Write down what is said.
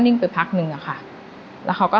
่งไปพักนึงอะค่ะแล้วเขาก็